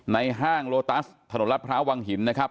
ห้างโลตัสถนนรัฐพร้าววังหินนะครับ